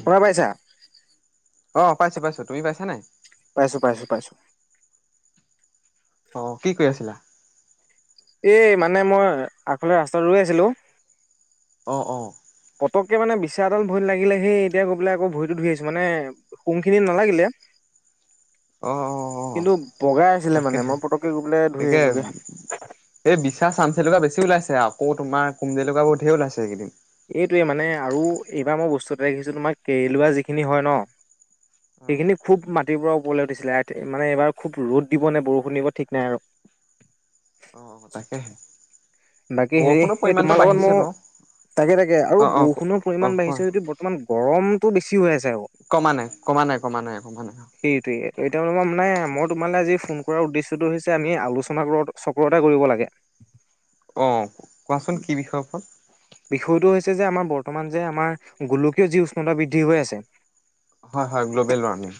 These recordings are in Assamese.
শুনা পাইছা? অ পাইছো, পাইছো তুমি পাইছা নাই? পাইছোঁ, পাইছোঁ, পাইছোঁ। অ', কি কৰি আছিলা? এ মানে মই আগফাল ৰাস্তাত ৰৈ আছিলো। অ', অ'। পকে মানে বিশচাএডাল ভৰিত লাগিলে, সেই এতিয়া গৈ পেলাই আকৌ ভৰিতটো ধুই আহিছো। মানে শুং খিনি নালাগিলে। অ অ অ কিন্তু বগাই আছিলে মানে তাকেহে মই পতককে গৈ পলৈ ধুই তাকে আহিলোগে। এই বিশা চানচেলুকা বেছি ওলাইছে। আকৌ তোমাৰ কুম জেলুকা বোৰ ধেই ওলাইছে এইকেইদিন। এইটোৱে মানে আৰু এইবাৰ মই বস্তু এটা দেখিছোঁ, তোমাৰ কেৰেলোৱা যিখিনি হয় ন অ পিকনিক খুব মা তি পৰা ওপৰলৈ দিছিলে এয়াত মানে, এবাৰ খুব ৰ'দ দিব নে বৰষুণ দিব ঠিক নাই আৰু। অ', অ', তাকেহে। বাকী হেৰি, বৰষুণৰ এই পৰিমাণটো তোমাৰ লগত মো বাঢ়িছে বাৰু তাকে, তাকে, অ আৰু অ বৰষুণৰ অ পৰিমাণ কোৱা বাঢ়িছে যদিও বৰ্তমান গৰমতটো বেছি হৈ আছ ত, কমা নাই কমা নাই কমা নাই কমা নাই সেইটোৱেই, এতিয়া তামানে মই তোমালৈ আজি ফোন কৰাৰ উদ্দেশ্যটো হৈছে আমি আলোচনা চক্ৰতে কৰিব লাগে [unintelligible] অ', কোৱাচোন কি বিষয় ফল। বিষয়টো হৈছে যে আমাৰ বৰ্তমান যে আমাৰ গোলকীয় যি উষ্ণতা বৃদ্ধি হৈ আছে হয় হয় গ্ল'বেল ৱাৰ্মিং।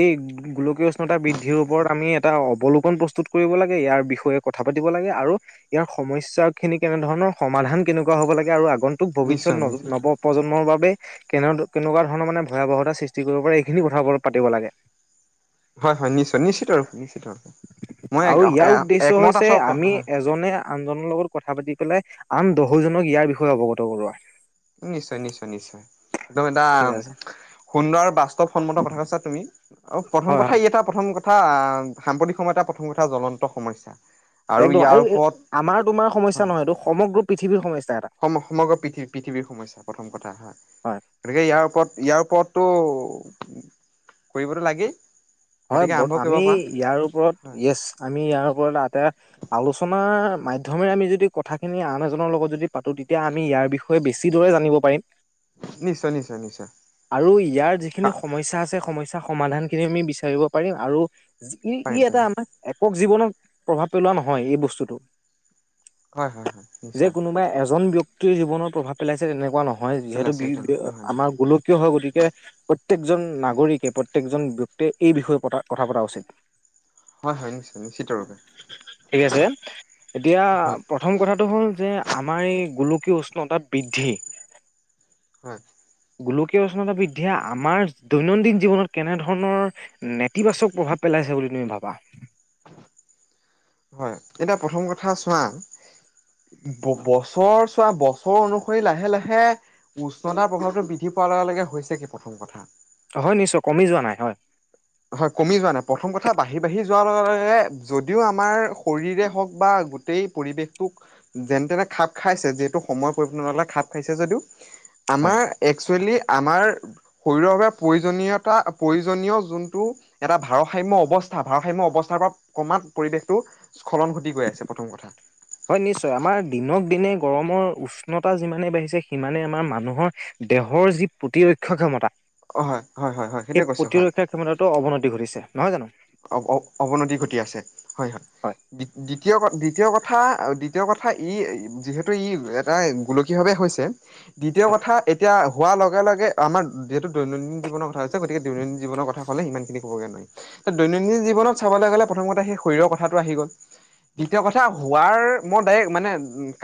এই গোলকীয় উষ্ণতা বৃদ্ধিৰ ওপৰত আমি এটা অৱলোবন প্ৰস্তুত কৰিব লাগে ইয়াৰ বিষয়ে কথা পাতি ব লাগে আৰু ইয়াৰ সমস্যা খিনি কেনেধৰণৰ সমাধান কেনেকুৱা হ'ব লাগে আৰু আন্তুক ভৱিষ্যত নিশ্চয় নিশ্চয় নৱ প্ৰজন্মৰ বাবে [unintelligible] নে কেনাটো কেনেকোৱা ধৰণৰ মানে ভয়াৱহতা সৃষ্টি কৰিব পাৰে, এইখিনি কথা পাতিব লাগে। হয় হয় নিশ্চয় নিশ্চিত আৰু নিশ্চিত [unintelligible] আৰু ইয়াৰ উদ্দেশ্য একমত হৈছে আছো আমি হয় এজনে আনজনৰ লগত কথা পাতি, পেলাই আন দহোজনক ইয়াৰ বিষয়ে অৱগত কৰোৱা। নিশ্চয় নিশ্চয় নিশ্চয়। একদম এটা ঠিক আছে। সুন্দৰ আৰু বাস্তৱ সন্মত কথা কৈছা তুমি আৰু হয় প্ৰথম হয়। কথা ই এটা প্ৰথম কথা। তথা সাম্প্ৰতিক সময়তাৰ প্ৰথম কথা জ্বলন্ত সমস্যা। একদম ইয়াৰ আৰু ওপৰত আমাৰ তোমাৰ সমস্যা হয় নহয় এইটো সমগ্ৰ পৃথিৱীৰ সমস্যা। এটা সম সমগ্ৰ পৃথিৱ পৃথিৱীৰ সমস্যা প্ৰথম কথা হা হয়। গতিকে ইয়াৰ ওপৰত ইয়াৰ ওপৰত টো উ কৰিবটো লাগেই। হয় গতিকে বৰ আৰম্ভ কৰিব আমি পাৰা। ইয়াৰ ওপৰত, হয় য়েছ আমি ইয়াৰ ওপৰত এটা আলোচনাৰ মাধ্যম মাধ্যমৰে আমি যদি কথাখিনি আন এজনৰ লগত যদি পাতোঁ তেতিয়া আমি ইয়াৰ বিষয়ে বেছি দৰে জানিব পাৰিম। নিশ্চয় নিশ্চয় নিশ্চয় আৰু ইয়াৰ যিখিনি সমস্যা আছে সমস্যা সমাধান খিনি আমি বিচাৰ [unintelligible] ব পাৰিম আৰু ই ই পাৰিম এটা পাৰিম আমাৰ একক জীৱনত প্ৰভাৱ পেলোৱা নহয় এই বস্তুটো। হয় হয় হয় যে নিশ্চয়। কোনোবাই এজন ব্যক্তিৰ জীৱনত প্ৰভাৱ পেলাইছে তেনেকুৱা নহয়। হয় যিহেতু পেলাইছে সেইটো নহয় নহয় নহয় আমাৰ গোলকীয় হয় গতিকে প্ৰত্যেকজন নাগৰিকে প্ৰত্যেকজন। তে এই বিষয়ে পতা কথা পতা উচিত। হয় হয় নিশ্চয় নিশ্চিত। ৰূপে ঠিক আছে এতিয়া হয় প্ৰথম কথাটো হ'ল যে। আমাৰ এই গোলকীয় উষ্ণতা বৃদ্ধি হয়। গোলকীয় উষ্ণতা বৃদ্ধিয় আমাৰ দৈনন্দিন জীৱনত কেনেধৰণৰ নেতিবাচক প্ৰভাৱ পেলাইছে বুলি তুমি ভাবা। হয় এতিয়া প্ৰথম কথা চোৱা বছৰ চোৱা বছৰ অনুসৰি লাহে লাহে উষ্ণতাৰ প্ৰভাৱটো বৃদ্ধি পা। [unintelligible] ৱাৰ লগে লগে হৈছে কি প্ৰথম কথা হয় নিশ্চয় কমি যোৱা নাই হয়। হয় কমি যোৱা নাই প্ৰথম কথা বাঢ়ি বাঢ়ি যোৱাৰ লগে লগে যদিও আমাৰ শৰীৰে হওঁক বা। গোটেই পৰিৱেশটোক যেনে তেনে খাপ খাইছে যিহেতু সময় পৰিবৰ্তন হ'লে খাপ খাইছে যদিও। হয় আমাৰ একচুৱেলি আমাৰ শৰীৰৰ বাবে প্ৰয়োজনীয়তা প্ৰয়োজনীয় যোন। এটা ভাৰসাম্য অৱস্থা ভাৰসাম্য অৱস্থাৰ পৰা ক্ৰমাত পৰিৱেশতটো স্খলন ঘটি গৈ আছে। প্ৰথম কথা। হয় নিশ্চয় আমাৰ দিনক দিনে গৰমৰ উষ্ণতা যিমানে বাঢ়িছে সিমানে আমাৰ মানুহৰ। দেহৰ যি প্ৰতিৰক্ষা ক্ষমতা। হয় হয় হয় হয় সেই সেইটোৱে কৈছো হয় প্ৰতিৰক্ষা ক্ষমতাতো অৱনতি ঘটিছে। নহয় জানো অ অৱনতি ঘটি আছে হয় হয় দ্বিতীয় ক দ্বিতীয় কথা। কথা দ্বিতীয় কথা ই যিহেতু ই এটা গোলকীয়ভাৱে হৈছে। দ্বিতীয় হয় কথা এতিয়া হোৱাৰ লগে লগে আমাৰ যিহেতু দৈনন্দিন জীৱনৰ কথা হৈছে। গতিকে দৈনন্দিন জীৱনৰ কথা ক'লে ইমান খিনি কবগৈ নোৱাৰি। দৈনন্দিন জীৱনত চাবলৈ গ'লে প্ৰথমতে সেই শৰীৰৰ কথাটো আহি গ'ল। দ্বিতীয় কথা হোৱাৰ মই ডাইৰেক্ মানে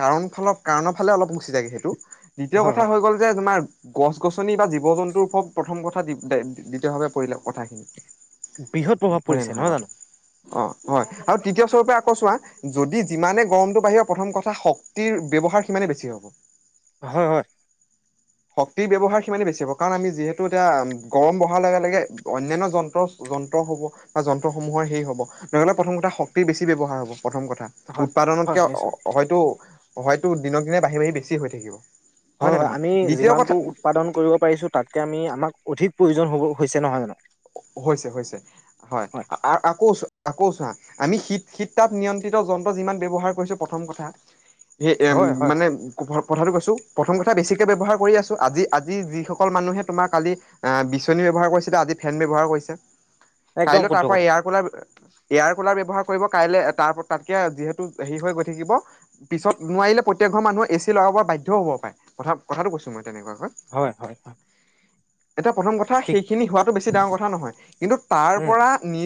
কাৰণ ফালৰ কাৰণৰ ফালে অলপ মুচি থাকে সেইটো। দ্বিতীয় হয় কথা হয় হৈ গ'ল যে তোমাৰ গছ গছনি বা জীৱ জন্তুৰ ওৰত প্ৰথম কথা দ্বিতীয়ভাৱে পৰিলে কথাখিনি বৃহৎ প্ৰভাৱ হয় নে পৰিছে নহয় বাৰু? জানো। অ হয় আৰু তৃতীয় স্বৰূপে আকৌ চোৱা যদি যিমানে গৰমটো বাঢ়িব প্ৰথম কথা শক্তিৰ। হাৰ সিমানেই বেছি হ'ব। হয় হয়। শক্তিৰ ব্যৱহাৰ সিমানেই বেছি হ'ব কাৰণ আমি যিহেতু এতিয়া গৰম বঢ়াৰ লগে লগে অন্যান্য যন্ত্ৰ যন্ত্ৰ হ'ব। বা যন্ত্ৰসমূহেই সেই হব নহ'লে প্ৰথম কথা শক্তিৰ বেছি ব্যৱহাৰ হ'ব। প্ৰথম কথা হয় হয় উৎপাদনতকে নিশ্চয় হয়তো হয়তো দিনক দিনে বাঢ়ি বাঢ়ি বেছি হৈ থাকিব। হয় নে হয় নহয় আমি দ্বিতীয় কথা যিমানটো উৎপাদন কৰিব পাৰিছোঁ তাতকে আমি আমাক অধিক প্ৰয়োজন হ'ব হৈছে নহয় জানো। হৈছে হৈছে হয় আকৌ আকৌ চোৱা আমি শীত শীত তাপ নিয়ন্ত্ৰিত যন্ত্ৰ যিমান ব্যৱহাৰ কৰিছো প্ৰথম কথা সেই এ হয় হয় মানে [unintelligible] কথাটো কৈছো প্ৰথম কথা বেছিকে ব্যৱহাৰ কৰি আছো আজি আজি যিসকল মানুহে তোমাৰ কালি বিচনী আজি ফেন ব্যৱহাৰ কৰিছে একদম কাইলৈ শুদ্ধ তাৰ পৰা কথা এয়াৰ কোলাৰ এয়াৰ কুলাৰ ব্যৱহাৰ কৰিব কাইলৈ তাৰ তাতকে যিহেতু হেৰি হৈ গৈ থাকিব পিছত নোৱাৰিলে প্ৰত্যেক ঘৰ মানুহ এ চি লগাব বাধ্যও হব পাৰে কথা কথাটো কৈছো মই তেনেকুৱাকৈ হয় হয় হয়। এতিয়া প্ৰথম কথা ঠিক সেইখিনি হোৱাটো বেছি ডাঙৰ কথা নহয় কিন্তু তাৰ উম পৰা নি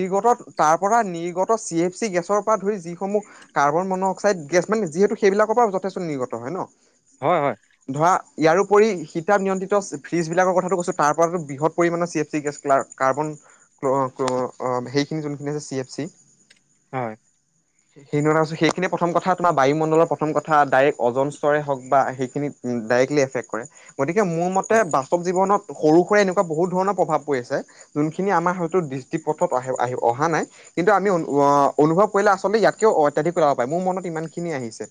পৰা নিৰ্গত চি এফ চি গেছৰ পৰা যিসমূহ কাৰ্বন মনোক্সাইড সেইবিলাকৰ পৰা যথেষ্ট নিৰ্গত হয় ন'। হয় হয়। ইয়োৰোপৰি শীত তাপ নিয়ন্ত্ৰিত ফ্ৰীজবিলাকৰ কথাটো কৈছোঁ তাৰ পৰাতো বৃহৎ পৰিমাণৰ চি এফ কাৰ্বন সেইখিনি যোনখিনি আছে চি এফ চি। হয়। [unintelligible] সেইখিনিয়ে প্ৰথম কথা তোমাৰ বায়ুমণ্ডলৰ প্ৰথম কথা, ডাইৰেক্ট অজনস্তৰে হক বা সেইখিনিত ডাইৰেক্টলি এফেক্ট কৰে গতিকে মোৰ মতে হয় হয় বাস্তৱ জীৱনত সৰু সুৰা এনেকুৱা বহুত ধৰণৰ প্ৰভাৱ [inaudible] আচলতে ইয়াতকেও অত্যাধিক কৰি [unintelligible] পাৰে মোৰ মনত ইমান খিনি আহিছে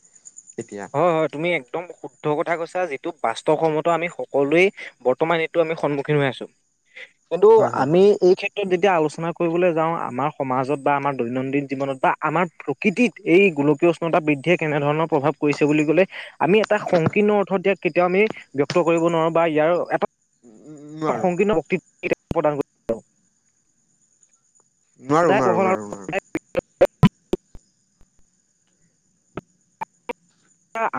এতিয়া হয় হয় তুমি একদম শুদ্ধ কথা কৈছা যিটো। বাস্তৱ সন্মত আমি সকলোৱে বৰ্তমান এইটো আমি সন্মুখীন হৈ আছো। কিন্তু হয় হয় আমি হয় এই ক্ষেত্ৰত যেতিয়া আলোচনা কৰিবলৈ যাওঁ আমাৰ সমাজত বা আমাৰ দৈনন্দিন জীৱনত বা আমাৰ প্ৰকৃতিত এই গোলকীয় উষ্ণতা বৃদ্ধিয়ে কেনেধৰণৰ প্ৰভাৱ কৰিছে বুলি ক'লে আমি এটা সংকীৰ্ণ অৰ্থত ইয়াক কেতিয়াও আমি ব্যক্ত কৰিব নোৱাৰো বা ইয়াৰ এটা নোৱাৰোঁ। [unintelligible] নোৱাৰোঁ সদায় নোৱাৰোঁ বহল আৰু নোৱাৰোঁ নোৱাৰোঁ।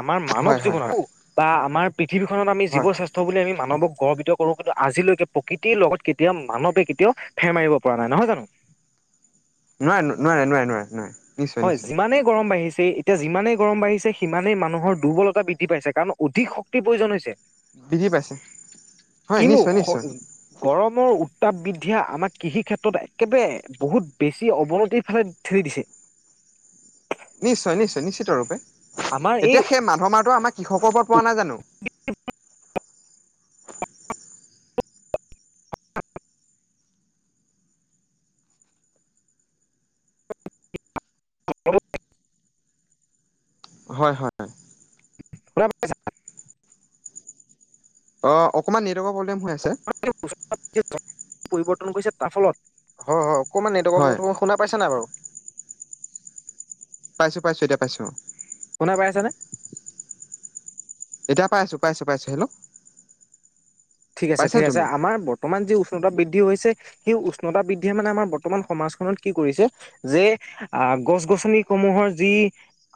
আমাৰ হয় মানৱ হয় হয় জীৱনতো বা আমাৰ পৃথিৱীখনত আমি জীৱ হয় শ্ৰেষ্ঠ বুলি আমি মানৱক গৰ্বিত কৰো কিন্তু আজিলৈকে প্ৰকৃতিৰ লগত কেতিয়াও মানৱে কেতিয়াও ফেৰ মাৰিব পৰা নাই নহয় জানো। [inaudible] নোৱাৰে নোৱাৰে নোৱাৰে নোৱাৰে নোৱাৰে। নিশ্চয় হয় নিশ্চয় যিমানেই গৰম বাঢ়িছে এতিয়া যিমানেই গৰম বাঢ়িছে সিমানেই মানুহৰ দুৰ্বলতা বৃদ্ধি পাইছে কাৰণ অধিক শক্তিৰ প্ৰয়োজন হৈছে। [unintelligible] পাইছে হয় কিনো। নিশ্চয় নিশ্চয় গৰমৰ উত্তাপ বৃদ্ধিয়ে আমাক কৃষি ক্ষেত্ৰত একেবাৰে বহুত বেছি অৱনতিৰ ফালে দিছে। নিশ্চয় নিশ্চয় নিশ্চিত ৰূপে, আমাৰ এই এতিয়া সেই মাধমাৰটো আমাৰ কৃষকৰ ওপৰত পৰা নাই জানো। [inaudible] [inaudible] হয় হয় হয়। [inaudible] অ', অকণমান নেটৱৰ্কৰ প্ৰব্লেম হৈ আছে। পৰিৱৰ্তন তাৰ ফলত হয় হয় অকমান হয় নেটৱৰ্ক শুনা পাইছানে নাই বাৰু। পাইছোঁ পাইছোঁ এতিয়া পাইছোঁ অ'। [inaudible] এতিয়া পাই আছো পাইছো পাইছো হেল্ল'। ঠিক আছে পাইছা ঠিক আছে তুমি আমাৰ বৰ্তমান যি উষ্ণতা বৃদ্ধি বৃদ্ধি হৈছে এই উষ্ণতা বৃদ্ধিয়ে মানে আমাৰ বৰ্তমান সমাজ খনত কি কৰিছে যে গছ গছ গছনিসমূহৰ যি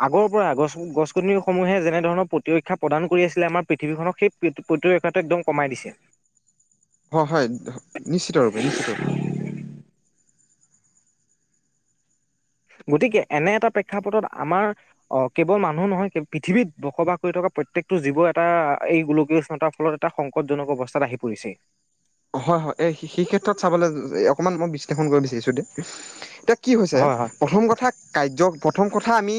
আগৰ পৰা গছ, গছ- গছনি সমূহে যেনে ধৰণৰ প্ৰতিৰক্ষা প্ৰদান কৰি আছি আমাৰ পৃথিৱীখনক সেই প্ৰতিৰক্ষাটো একদম কমাই দিছে হয় হয় নিশ্চিত ৰূপে নিশ্চিত ৰূপে। গতিকে এনে এটা প্ৰেক্ষাপটত আমাৰ আহ কেৱল মানুহ নহয় পৃথিৱীত বসবাস কৰি থকা প্ৰত্যেকটো জীৱ এটা এই গোলকীয় উষ্ণতাৰ ফলত এটা সংকটজনক অৱস্থাত আহি পৰিছে। হয় হয় এই সেই ক্ষেত্ৰত চাবলৈ অকণমান মই বিশ্লেষণ কৰিব বিচাৰিছো দে কি হৈছে হয় হয় প্ৰথম কথা কায্য প্ৰথম কথা আমি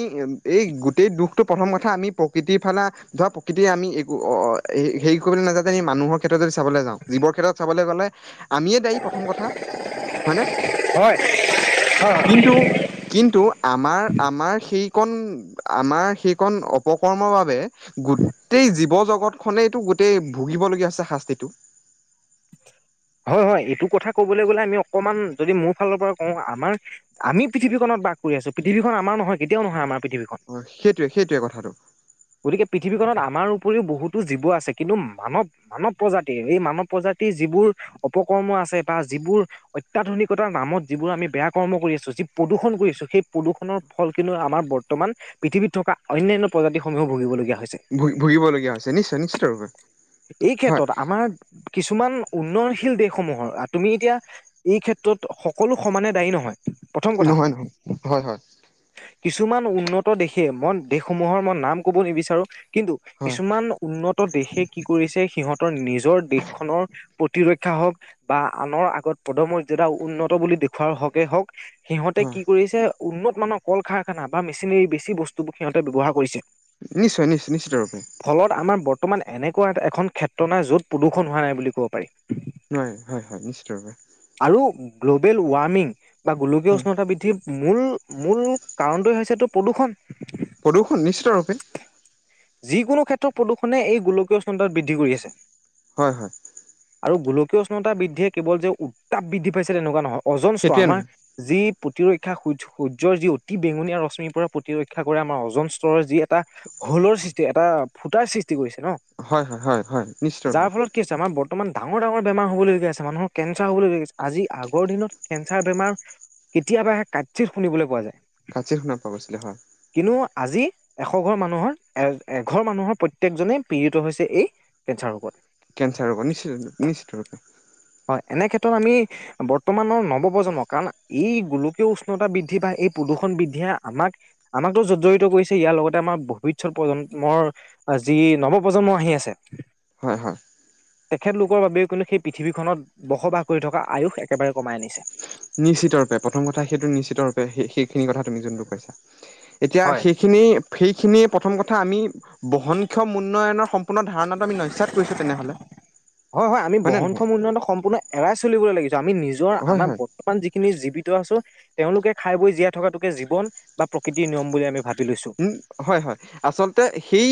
এই গোটেই দুখটো প্ৰথম কথা আমি প্ৰকৃতিৰ ফালে ধৰা প্ৰকৃতিৰ আমি একো অ', হেৰি কৰিবলৈ নাযা যে মানুহৰ ক্ষেত্ৰত যদি চাবলৈ যাওঁ জীৱৰ ক্ষেত্ৰত চাবলৈ গ'লে আমিয়ে দায়ী প্ৰথম কথা হয়নে? হয় হয় কিন্তু কিন্তু আমাৰ আমাৰ সেই ন আমাৰ সেইকন অপকৰ্মৰ বাবে গোটেই জীৱ- জগতখনেইটো গোটেই ভুগিবলগীয়া হৈছে শাস্তিটো [unintelligible] হয় -হয় এইটো কথা কবলৈ গ'লে আমি অকমান যদি মোৰ ফালৰ পৰা কওঁ আমাৰ আমি পৃথিৱীখনক বাস কৰিছো পৃথিৱীখন আম নহয় কেতিয়াও নহ আমাৰ পৃথিৱীখন অ সেইটোৱে সেইটোৱে কথাটো গতিকে পৃথিৱীখনত আমাৰও উপৰিও বহুতো জীৱ আছে কিন্তু মানৱ, মানৱ প্ৰজাতিৰ এই মানৱ প্ৰজাতিৰ যিবোৰ অপকৰ্ম আছে বা যিবোৰ অত্যাধুনিকতাৰ নামত যিবোৰ আমি বেয়া কৰ্ম কৰি আছো যি প্ৰদূষণ ছো সেই প্ৰদূষণৰ ফল কিন্তু আমাৰ বৰ্তমান পৃথিৱীত থকা অন্য়ান্য প্ৰজাতিসমূহো ভুগিবলগীয়া হৈছে ভু -ভুগিবলগীয়া হৈছে নিশ্চয় নিশ্চয়তভাৱে এই ক্ষেত্ৰত আমাৰ কিছু ইমান উন্নয়নশীল দেশসমূহৰ তুমি এতিয়া এই ক্ষেত্ৰত সকলো সমানে দায়ী নহয় প্ৰথম কথা নহয় নহয় হয় হয় কিছুমান উন্নত দেশে মন দেশসমূহৰ মই নাম ক'ব নিবিচাৰো কিন্তু হয় কিছুমান উন্নত দেশে কি কৰিছে সিহঁতৰ নিজৰ দেশখনৰ প্ৰতিৰক্ষা হওক বা আনৰ আগত পদমৰ্যাদা উন উন্নত বুলি দেখুওাৰ হকে হওক সিহঁতে হয় কি কৰিছে উন্নত মানৰ কল কাৰখানা বা মেচিনেৰি বেছি বস্তুবোৰ সিহতে ব্যৱহাৰ কৰিছে নিশ্চয় নিশ্চয় নিশ্চয়তৰূপে ফলত আমাৰ বৰ্তমান এনেকুৱা এখন ক্ষেত্ৰ নাই য'ত প্ৰদূষণ হোৱা নাই বুলি ক'ব পাৰি ন হয় হয় নিশ্চয়তভাপে আৰু গ্ল'বেল ৱাৰ্মিং বা গোলকীয় হয় উষ্ণতা বৃদ্ধি মূল মূল কাৰণটোৱে হৈছেতটো প্ৰদূষণ প্ৰদূষণ নিশ্চিত ৰূপে যিকোনো ক্ষেত্ৰত প্ৰদূষণে এই গোলকীয় উষ্ণতা বৃদ্ধি কৰি আছে। হয় হয়। আৰু গোলকীয় উষ্ণতা বৃদ্ধিয়ে কেৱল যে উত্তাপ বৃদ্ধি পাইছে তেনেকুৱা নহয় অজনস্তৰ সেইটোৱে আমাৰ যি প্ৰতিৰক্ষা সূৰ্য সূৰ্যৰ যি অতি বেঙুনীয়া ৰশ্মিৰ পৰা প্ৰতিৰক্ষা কৰে আমাৰ অজন স্তৰৰ যি এটা হোলৰ সৃষ্টি এটা ফুটাৰ সৃষ্টি কৰিছে ন নহয় হয় হয় হয় হয় নিশ্চিত ৰূপে যাৰ ফলত কি হৈছে আমাৰ বৰ্ত বৰ্তমান ডাঙৰ -ডাঙৰ বেমাৰ হ'বলগীয়াছে মানুহৰ কেঞ্চাৰ হ'বলগা আছে আজি আগৰ দিনত কেঞ্চাৰ বেমাৰ কেতিয়াবা সে কাৎচিৎ শুনিবলৈ পোৱা যায়। কাতচীত শুনা পোৱা গৈছিলে হয়। কিন্তু আজি এশ ঘৰ মানুহৰ এ এঘৰ মানুহৰ প্ৰত্যেকজনেই পীড়িত হৈছে যে এই কেঞ্চাৰ ৰোগত কেঞ্চাৰ ৰোগত নিশ্চিত, নিশ্চিত ৰূপে হয় এনে ক্ষেত্ৰত আমি বৰ্তমানৰ নৱ -প্ৰ্ৰজন্মক কাৰণ এই গোলকীয় উষ্ণতা বৃদ্ধি বা এই প্ৰদূষণ বৃদ্ধিয়ে আমাক আমাকতো জৰ্জৰিত কৰিছে ইয়াৰ লগতে আমাৰ ভৱিষত প্ৰজন্মৰ যি ই নৱপ্ৰজন্ম আহি আছে হয় হয় তেখেতলোকৰ বাবেও কিন্তু সেই পৃথিৱীখনত বসবাস কৰি থকা আয়ুস একেবাৰে কমাই আনিছে নিশ্চিত ৰূপে প্ৰথম সেইটো নিশ্চিত ৰূপে শিক সেইখিনি কথা তুমি যোনটো কৈছা এতিয়া হয় সেইখিনি ফিক সেইখিনি প্ৰথম কথা আমি বহনক্ষম উন্নয়নৰ সম্পূৰ্ণ ধাৰণাটো আমি নস্যাত কৰিছোঁ তেনেহ'লে হয় হয় আমি নে নহয় বহনক্ষম উন্নয়নৰ সম্পূৰ্ণ এৰাই চলিবলৈ লাগিছো আমি নিজ ত হয় আমাৰ হয় বৰ্তমান যিখিনি জীৱিত আছো তেও লোকে খাই বৈ জীয়া থকাতোকে জীৱন বা প্ৰকৃতিৰ নিয়ম বুলি আমি ভাব উম হয় হয় আচলতে সেই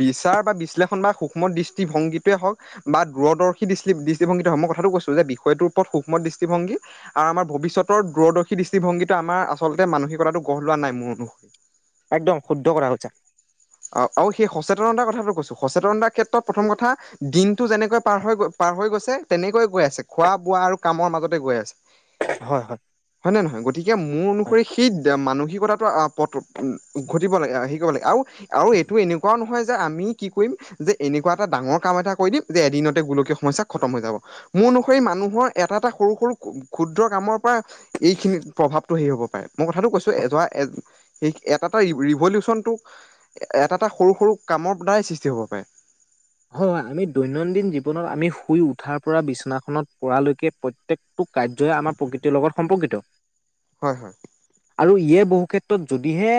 বিচাৰ বা বিশ্লেষণ বা সুক্ষ্ম দৃষ্টিভংগীটোয়ে হওক বা দূৰদৰ্শী দৃষ্টি দৃষ্টিভংগীটোৱে হক মই কথা কথাটো কৈছো যে বিষয়টোৰ ওপৰত সুক্ষ্ম দৃষ্টভংগী আৰু আমাৰ ভৱিষ্যতৰ দূৰদৰ্শী দৃষ্টিভংগীটো আমাৰ আচল মানসিকতাটো গঢ় লোৱা নাই মোৰ অনু একদম শুদ্ধ কথা কৈছা অ আৰু সেই সচেতনতা কথাটো কৈছো সচেতনতাৰ ক্ষেত্ৰত প্ৰথম কথা দিনটো যেনেকৈ পাৰ হৈ গৈ পাৰ হৈ গৈছে তেনেকৈ গৈ আছে খোৱা বোৱা আৰু কামৰ মাজতে গৈ আছে হয় হয় হয় নে নহয় গতিকে মোৰ অনুসৰি সেই মানুহিক সেই কথাটো অ প টো উম ঘটিব লাগে শিকিব লাগে আৰু আৰু এইটো এনেকুৱাও নহয় যে আমি কি কৰিম যে এনেকুৱা এটা ডাঙৰ কাম এটা কৰি দিম যে এদিনতে গোলকীয় সময় সমস্যা খতম হৈ যাব মোৰ অনুসৰি মানুহৰ এটা এটা সৰু সৰু ক্ষুদ্ৰ কামৰ পৰাই এইখিনিত প্ৰভাৱ টো হবগে পাই মই কথাটো কৈছো হয় এটা এ এ এটাটো ৰিভা ৰিভলোৱেচনটো এটা এটা সৰু সৰু কামৰ দ্বাৰাই সৃষ্টি হ'ব পাৰে হয় আমি দৈনন্দিন জীৱনত আমি শুই উঠাৰ পৰা বিছনাখনত পৰা লৈকে প্ৰত্যেকটো কাৰ্যই আমাৰ প্ৰকৃতিৰ লগত সম্পৰ্কিত হয় হয় আৰু ইয়ে বহুক্ষেত্ৰত যদিহে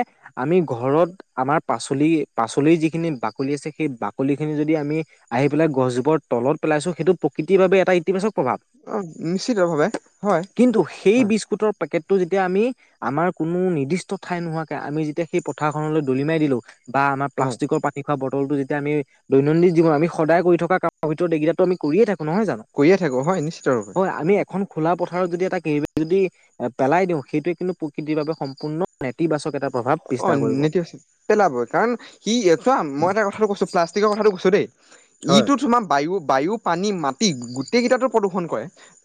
আমি ঘৰত আমাৰ পাচলি পাচলিৰ যিখিনি বা কলি আছে কি বাকলি খিনি যদি আমি আহি পেলাই গছজোপৰ তলত পেলাইছো সেইটো প্ৰকৃতিৰ বাবে এটা ইতিবাচক প্ৰভাৱ অ নিশ্চিত ভাৱে হয় কিন্তু সেই হয় বিস্কুটৰ পেকেট টো যেতিয়া আমি আমাৰ কোনো নিৰ্দিষ্ট ঠাই নোহোৱাকে আমি যেতিয়া সেই পথাৰখনলৈ দলি মাৰি দিলো বা আমাৰ হয় প্লাষ্টিকৰ পানী খোৱা বটলটো যেতিয়া আমি দৈনন্দিন জীৱন আমি সদায় কৰি থকা কাম ভিতৰত এইকেইটাটো আমি কৰিয়ে থাকোঁ নহয় জানো কৰিয়ে থাকো হয় নিশ্চিত ৰূপে হয় আমি এখন খোলা পথাৰত যদি এটা কেৰি বেগ যদি পেলাই দিওঁ সেইটোৱে কিন্তু প্ৰকৃতিৰ বাবে সম্পূৰ্ণ নেতিবাচক এটা প্ৰভাৱ অ বিস্তাৰ কৰিব। নেতিবাচক পেলাবই কাৰণ সি চোৱা মই এটা কথাটো কৈছো প্লাষ্টিকৰ কথাটো কৈছ [unintelligible] দেই হয়। ইটো তোমাৰ বায়ু- বায়ু পানী, মাটি গোটেই কেইটাতো প্ৰদূষণ কৰে। তুমি